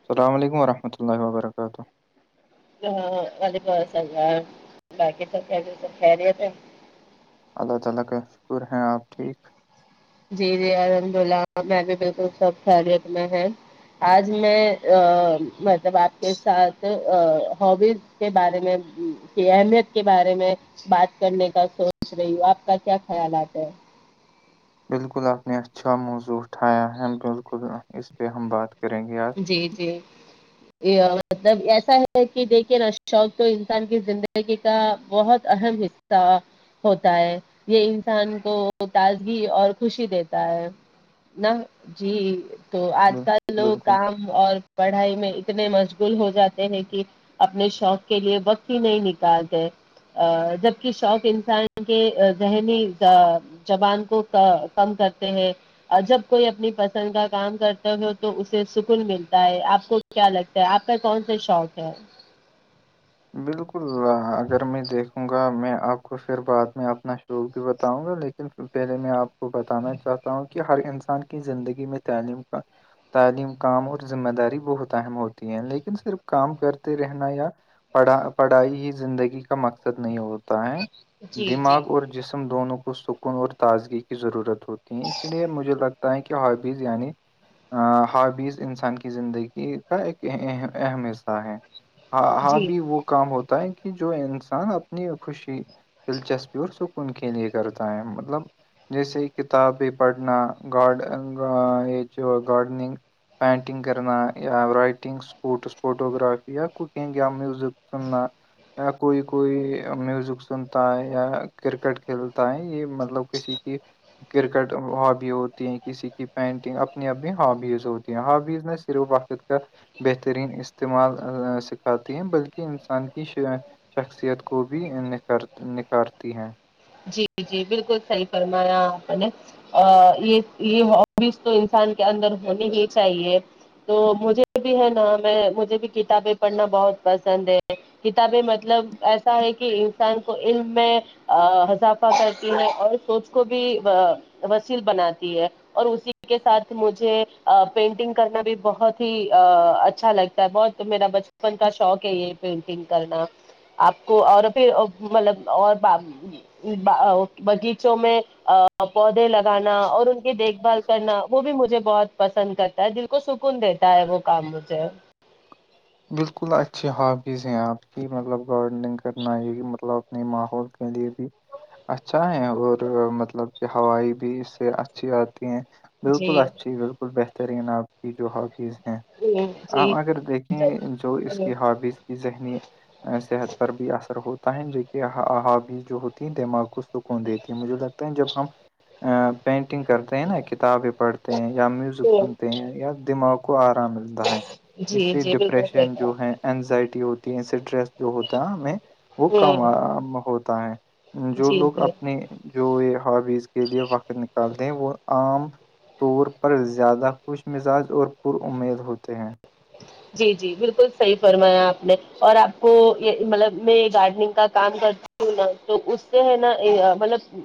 السلام علیکم ورحمۃ اللہ و برکاتہ ہاں ولیکم السلام باقی سب سب کہہ رہیے تھ اللہ تعا لا کا شکر ہے آپ ٹھیک جی جی الحمد اللہ میں بھی بالکل سب خیٹ میں ہے آج میں مطلب آپ کے ساتھ ہبی کے بارے میں کی اہمیت کے بارے میں بات کرنے کا سوچ رہی ہوں آپ کا کیا خیال آتا ہے بالکل آپ نے اچھا موضوع اٹھایا ہے بالکل اس پہ ہم بات کریں گے آار جی جی یہ مطلب ایسا ہے کہ دیکھیے نا شوق تو انسان کی زندگی کی کا بہت اہم حصہ ہوتا ہے یہ انسان کو تازگی اور خوشی دیتا ہے نہ جی تو آج بل- کل لوگ بالکل کام اور پڑھائی میں اتنے مشغول ہو جاتے ہیں کہ اپنے شوق کے لیے وقت ہی نہیں نکالتے ا جبک شوق انسان کے ذہنی زبان کو کم کرتے ہیں جب کوئی اپنی پسند کا کام کرتا ہو تو اس سے سکون ملتا ہے آپ کو کیا لگتا ہے آپ کا کون سا شوق ہے بالکل اگر میں دیکھوں گا میں آپ کو پھر بعد میں اپنا شوق بھی بتاؤں گا لیکن پہلے میں آپ کو بتانا چاہتا ہوں کہ ہر انسان کی زندگی میں تعلیم کا تعلیم کام اور ذمہ داری بہت اہم ہوتی ہے لیکن صرف کام کرتے رہنا یا پڑھا پڑھائی ہی زندگی کا مقصد نہیں ہوتا ہے جی جی دماغ اور جسم دونوں کو سک کن اور تازگی کی ضرورت ہوتی ہے اسی لیے مجھے لگتا ہے کہ ہابیز یعنی ہابیز انسان کی زندگی کا ایک اہم حصہ ہے ہاں ہاں جی بھی وہ کام ہوتا ہے کہ جو انسان اپنی خوشی دلچسپی اور س کن کےنی گتائم مطلب جیسے ہی کتابیں پڑھنا گارڈ یہ جو گارڈننگ پینٹنگ کرنایا رائٹنگ سپوٹس فوٹوگرافی ککنگ یا میز تنا یا کوئی کوئی میوزک سنتا ہے یا کرکٹ کھیلتا ہے یہ مطلب کسی کہ کرکٹ ہابی ہوتی ہیں کسی کی پینٹنگ اپنی اپنی ہابیز ہوتی ہیں ہابیز نے صرف وقت کا بہترین استعمال سکھاتی ہیں بلکہ کہ انسان کی شخصیت کو بھی نکھ نکھارتی ہے جی جی بالکل صحیح فرمایاپ نے ا یہ یہ ہبیز تو انسان کے اندر ہونی ہی چاہیے تو مجھے بھی ہے نا میں مجھے بھی کتابیں پڑھنا بہت پسند ہے کتابیں مطلب ایسا ہے کہ انسان کو علم میں اضافہ کرتی ہے اور سوچ کو بھی وسیل بناتی ہے اور اسی کے ساتھ مجھے پینٹنگ کرنا بھی بہت ہی اچھا لگتا ہے بہت تو میرا بچپن کا شوق ہے یہ پینٹنگ کرنا آپ کو اور پھر مطلب اور باغیچوں میں پودے لگانا اور ان کی دیکھ بھال کرنا وہ بھی مجھے بہت پسند کرتے دل کو سکون دیتا ہے وہ کام مجھے بالکل اچھی ہابیز ہیں آپ کی مطلب گارڈننگ کرنا یہ مطلب اپنے ماحول کے لیے بھی اچھا ہے اور مطلب کہ ہوائی بھی اس سے اچھی آتی ہے بالکل جی اچھی بالکل بہترین آپ کی جو ہابیز ہیں ہوں جی آپ اگر جو اس ہ کی ہابیز کی ذہنی صحت پر بھی اثر ہوتا ہے ج کہ حابی جو ہوتی ہیں دماغ کو سکون دیتی ہیں مجھے لگتا جب ہم پینٹنگ کرتے نا کتابیں پڑھتے ہیں یا میوزک سنتے ہیں یا دماغ کو آرام ملتا ہے اس جی سے جی بالکل صحیح ڈپریشن جو کہا ہے اینزائٹی ہوتی ہے سٹریس جو ہوتا ہے ہمیں وہ کم ہ ہوتا ہے جو جی لوگ جی اپنی جو یہ ہابیز کے لیے وقت نکالتے ہیں وہ عام طور پر زیادہ خوش مزاج اور پرمید ہوتے ہیں جی جی بالکل صحیح فرمایا آپ نے اور آپ کو یہ مطلب میں یہ گارڈننگ کا کام کرتا سنا تو اس سے ہے نا مطلب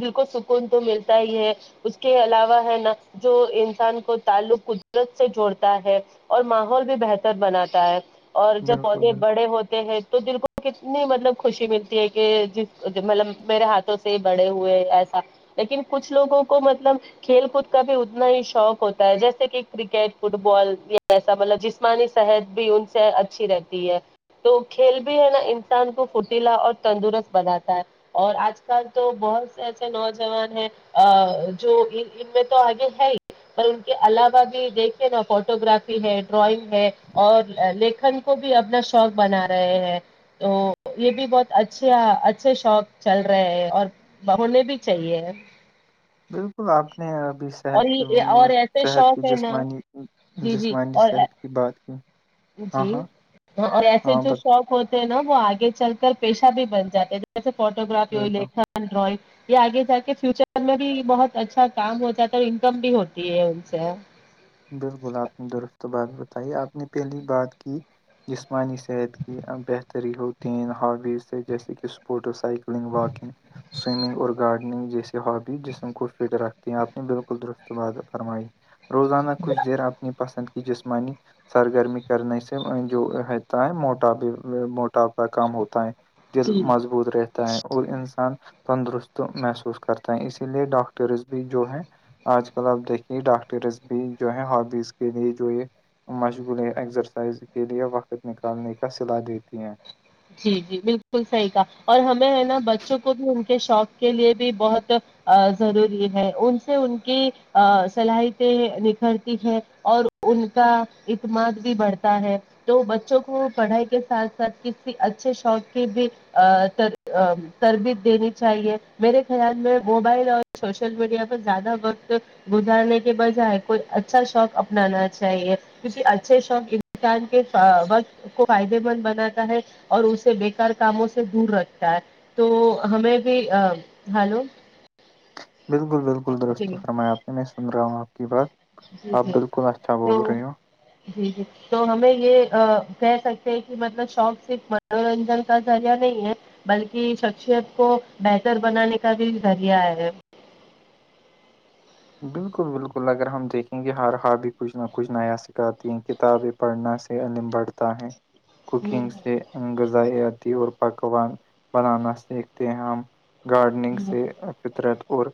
دل کو سکون تو ملتا ہی ہے اس کے علاوہ ہے ن جو انسان کو تعلق قدرت سے جوڑتا ہے اور م بھی بہتر بناتا ہے اور جب بالکل پودے بالکل بڑے ہوتے ہیں تو د کو کتنی مطلب خوشی ملتی ہے کہ جس مطلب میرے ہاتھوں سے بڑے ہوئے ایسا لیکن کچھ لوگوں کو مطلب کھیل کود کا بھی اتنا ہی شوق ہوتا ہے جیسے کہ کرکٹ فٹ بال ا مطلب جسمانی صحت بھی ان سے اچھی رہتی ہے تو کھیل بھی ہے نا انسان کو فرتیلا اور تندرست بناتا ہے اور آج کل تو بہت سے ایسے نوجوان ہیں ا جو ان میں تو آگے ہے ہی پر ان کے علاوہ بھی دیکھیے نا فوٹو گراف ہے ڈرائنگ ہے اور لکھن کو بھی اپنا شوق بنا رہے ہیں تو یہ بھی بہت اچھے اچھے شوق چل رہے ہیں اور بولے بھی چاہیے بالکل آپ نے اب اور صحت کی یہ اور ایسے صحت کی شوق ہے نا جسمانی جی جی جسمانی اور صحت کی بات کہ جی اور ایسے جو شوق ہوتے ہیں نا وہ آگے چل کر پیشہ بھی بن جاتے تھ فوٹو گگرافی ہو بتا لکھن ڈرائگ یہ آگے جا کے فیوچر میں بھی بہت اچھا کام ہو جاتا ہے اور انکم بھی ہوتی ہے ان سے بالکل آپ نے درست بات بتائی آپ نے پہلی بات کی جسمانی صحت کی بہتری ہو تین ہابیز سے جیسے کہ سپوٹو سائیکل لنگ باکنگ سوئمنگ اور گارڈننگ جیسسی ہابی جسم کو فٹ رکھتی ہیں آپ نے بالکل درست فرمائی روزانہ کچھ دیر اپنی پسند کی جسمانی سرگرمی کرنے سے جو رہتا ہے موٹاپے موٹاپا کام ہوتا ہے دل جی مضبوط رہتا تا ہے اور انسان تندرست محسوس کرتا ہے اسی لیے ڈاکٹرز بھی جو ہے آج کل آپ دیکھییںے ڈاکٹرس بھی جو ہے ہبیز کے لیے جو یہ مشغول ایکسرسائز کے لیے وقت نکالنے کا صلاح دیتی ہیں جی جی بالکل صحیح کا اور ہمیں ہے نا بچوں کو بھی ان کے شوق کے لیے بھی بہت ضروری ہے ان سے ان کی صلاحیتیں نکھرتی ہے اور ان کا اعتماد بھی بڑھتا ہے تو بچوں کو پڑھائی کے ساتھ ساتھ کس اچھے شوق کے بھی تربیت دینی چاہیے میرے خیال میں موبائل اور سوشل میڈیا پر زیادہ وقت گزارنے کے بجائے کوئی اچھا شوق اپنانا چاہیے کیونکہ اچھے شوق انسان کے وقت کو فائدے مند بناتا ہے اور اسے بےیکار کاموں سے دور رکھتا ہے تو ہمیں بھی ہلو [inaudible] [inaudible] بالکل بالکل جی درستو فرمایا آپ نے میں سن رہا ہوں آپ کی بات جی آپ جی بالکل اچھا تو بول رہی ہو [unintelligible] [unintelligible] تو ہمیں یہ کہہ سکتے ہیں کہ مطلب شوق صرف منورنجن کا ذریعہ نہیں ہے بلکہ شخصیت کو بہتر بنانے کا بھی ذریعہ ہے بالکل بالکل اگر ہم دیکھیں گے ہر ہا بھی کچھ نہ کچھ نیا سکھاتی ہیں کتابیں پڑھنا سے انم بڑھتا ہے کوکنگ سے غذائی آتی اور پکوان بنانا سیکھتے ہیں ہم گارڈننگ سے فطرت اور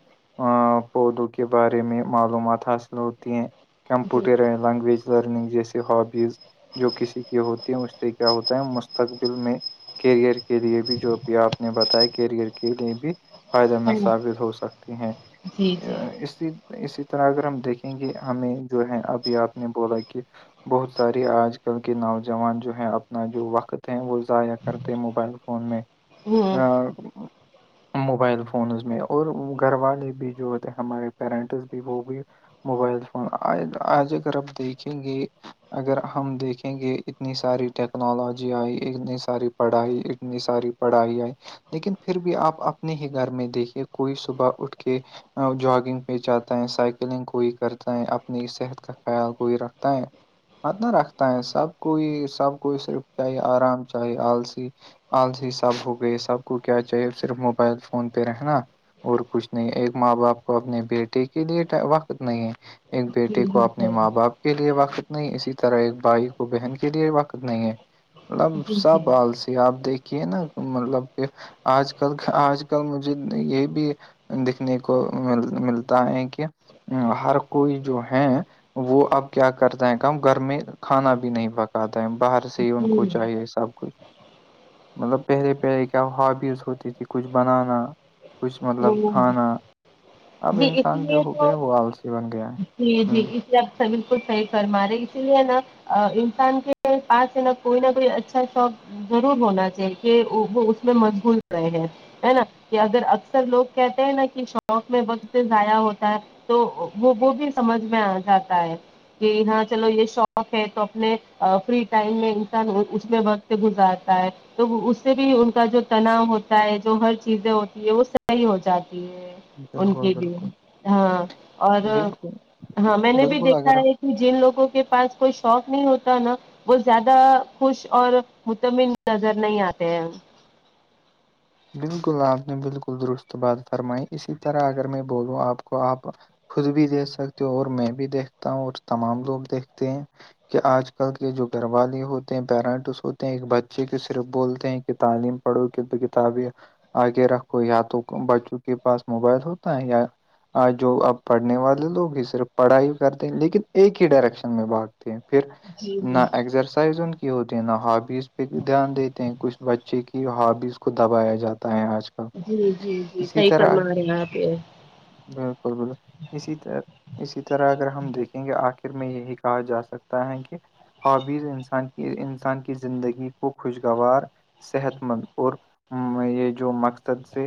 پودوں کے بارے میں معلومات حاصل ہوتی ہیں کمپیوٹر لیننگویج لرننگ جیسے ہابیز جو کسی کی ہوتی ہیں اس سے کیا ہوتا ہے مستقبل میں کیریئر کے لیے بھی جو بھی آپ نے بتایا کیریئر کے لیے بھی فائدے مند ثابت ہو سکتے ہیں جی جی جی اس اسی طرح اگر ہم دیکھیں گے ہمیں جو ہے ابھی آپ نے بولا کہ بہت سار آج کل کے نوجوان جو ہیں اپنا جو وقت ہے وہ ضائع کرتے موبائل فون میں ہوں [unintelligible] [unintelligible] موبائل فونز میں اور گھر والے بھی جو ہوتے ہیں ہمارے پیرنٹس بھی وہ بھی موبائل فون آج اگر آپ دیکھیں گے اگر ہم دیکھیں گے اتنی ساری ٹیکنالوجی آئی اتنی ساری پڑھائی اتنی ساری بڑھا دیا لیکن پھر بھی آپ اپنے ہی گھر میں دیکھیے کوئی صبح اٹھ کے جاگنگ یہ جاتا ہے سائیکلنگ کوئی کرتا ہے اپنی صحت کا خیال کوئی رکھتا ہے مت نہ رکھتا ہے سب کوئی سب کوئی صرف چاہی آرام چاہے آلسی آج ہی سب ہو گئی سب کو کیا چاہیے صرف موبائل فون پہ رہنا اور کچھ نہیں ایک ماں باپ کو اپنے بیٹے کے لیے وقت نہیں ہے ایک جی بیٹے کو جی اپنے ماں باپ کے لیے وقت نہیں اسی طرح ایک بھائی کو بہن کے لیے وقت نہیں ہے مطلب جی جی سب آالسی آپ دیکھیے نا مطلب کہ آج کل آج کل مجھے یہ بھی دیکھنے کو مل ملتا بتا ہے کہ ہر کوئی جو ہے وہ اب کیا کرتا ہے کام گھر میں کھانا بھی نہیں پکاتا ہے باہر سے سے ان کو چاہیے سب کچھ مطلب پہلے پہلے کیا ہابیز ہوتی تھی کچھ بنانا کچھ مطلب کھانا اب جی ان اسی جو لیے ہو گیا وہ آلسی بنگیا ہوں اسے آپ سبھی کو صحیح فرمارے اسی لیے نا انسان کے پاس ہے نا کوئی نہ کوئی اچھا شوق ضرور ہونا چاہیے کہ وہ اس میں مشغول ہوئے ہیں ہے نا کہ اگر اکثر لوگ کہتے ہیں نا کہ شوق میں وقت ضائع ہوتا ہے تو وہ وہ بھی سمجھ میں آ جاتا ہے کہ ہاں چلو یہ شوق ہے تو اپنے فری ٹائم میں انسان اس میں وقت گزارتا ہے تو اس سے بھی ان کا جو تناؤ ہوتا ہے جو ہر چیزیں ہوتی ہے وہ صحیح ہو جاتی ہے ان بالکل کے بھی بالکل ہاں اور بالکل ہاں میں نے بھی بالکل دیکھا اگر ہے جن لوگوں کے پاس کوئی شوق نہیں ہوتا نا وہ زیادہ خوش اور مطمن نظر نہیں آتے ہیں بالکل آپ نے بالکل درست بات فرمائی اسی طرح اگر میں بولوں آپ کو آپ خود بھی دیکھ سکتے ہو اور میں بھی دیکھتا ہوں اور تمام لوگ دیکھتے ہیں کہ آج کل کے جو گھر والے ہوتے ہیں پیرنٹس ہوتے ہیں ایک بچے کے صرف بولتے ہیں تعلیم پڑو کی کتاب آگے رکھو یا تو بچوں کے پاس موبائل ہوتا ہے یا آ جو اب پڑھنے والے لوگ ہی صرف پڑھائی کرتے ہیں لیکن ایک ہی ڈائریکشن میں بھگ پھر جی نہ ایکسرسائز ہوتے ہیں نا ہابیز پہ بھی دھیان دیتے ہیں کچھ بچے کی ہابیز کو دبایا جاتا ہے آج کل جی جی جی اسی صحیح طرح فما رہے ہیں آپ یہ بالکل بالکل اسی طر اسی طرح اگر ہم دیکھیں گے آخر میں یہی کہا جا سکتا ہے کہ ہابیز انسان کی انسان کی زندگی کو خوشگوار صحت مند اور یہ جو مقصد سے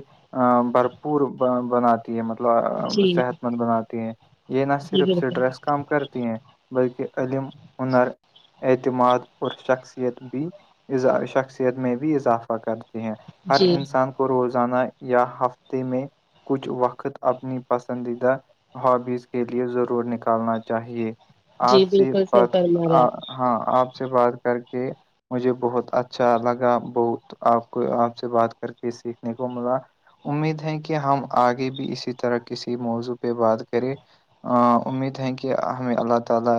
بھرپور بن مطلب جی صحت مند بناتے ہیں یہ نہ جی صرف بالکل سٹریس کا کام کرتی ہیں بلکہ عم ہنر اعتماد اور شخصیت بھیا شخصیت میں بھی اضافہ کر ہیں ہر جی انسان کو روزانہ یا ہفتے میں کچھ وقت اپنی پسندیدہ ہابیز کے لیے ضرور نکالنا چاہیے جی آپ سے بالکل صحیح بات فرما رہے ہیں آپ ہاں آپ سے بات کر کے مجھے بہت اچھا لگا بہت آپ کو آپ سے بات کر کے سیکھنے کو ملا امید ہے کہ ہم آگے بھی اسی طرح کسی موضوع پہ بات کریں ا امید ہے کہ ہمیں اللہ تعالی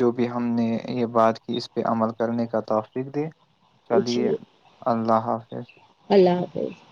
جو بھی ہم نے یہ بات کی اس پہ عمل کرنے کا توفق دے چلیے اللہ حافظ اللہ حافظ [inaudible]